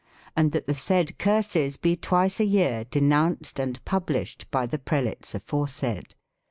And that the said curses be twice a year denounced and published by the prelates aforesaid.